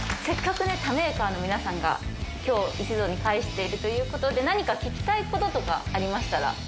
せっかくね他メーカーの皆さんが今日一堂に会しているということで何か聞きたいこととかありましたら。